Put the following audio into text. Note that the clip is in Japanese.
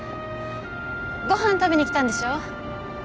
ご飯食べにきたんでしょ。